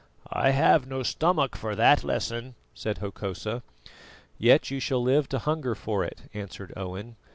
"I have no stomach for that lesson," said Hokosa. "Yet you shall live to hunger for it," answered Owen.